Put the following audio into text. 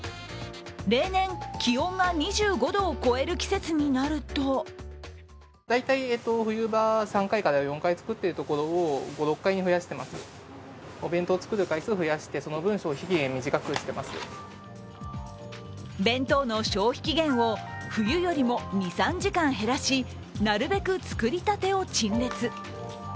例年、気温が２５度を超える季節になると弁当の消費期限を冬よりも２３時間減らしなるべく作りたてを陳列。